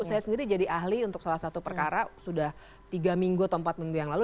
saya sendiri jadi ahli untuk salah satu perkara sudah tiga minggu atau empat minggu yang lalu